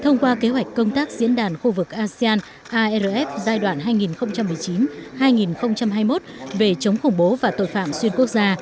thông qua kế hoạch công tác diễn đàn khu vực asean arf giai đoạn hai nghìn một mươi chín hai nghìn hai mươi một về chống khủng bố và tội phạm xuyên quốc gia